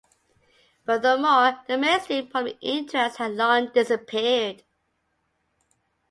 Furthermore, the mainstream public interest had long disappeared.